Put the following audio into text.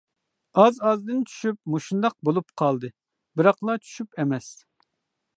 ئاز ئازدىن چۈشۈپ مۇشۇنداق بولۇپ قالدى، بىراقلا چۈشۈپ ئەمەس.